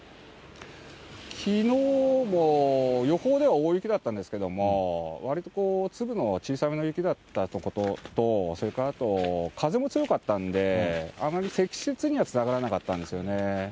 きのうも、予報では大雪だったんですけど、わりとこう、粒の小さめの雪だったことと、それからあと、風も強かったんで、あまり積雪にはつながらなかったんですよね。